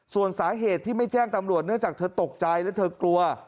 ส่วนสาเหตุที่ไม่แจ้งตำรวจเนื่องจากเธอตกใจและเธอกลัว